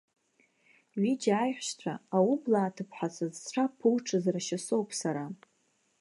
Ҩыџьа аиҳәшьцәа, аублаа ҭыԥҳацәа зцәа ԥуҽыз рашьа соуп сара.